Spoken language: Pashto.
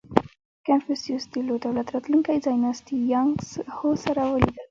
• کنفوسیوس د لو دولت راتلونکی ځایناستی یانګ هو سره ولیدل.